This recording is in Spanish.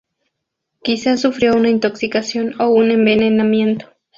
Quizá sufrió una intoxicación o un envenenamiento.